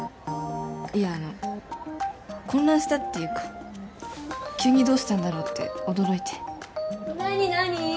いやあの混乱したっていうか急にどうしたんだろうって驚いて何なに？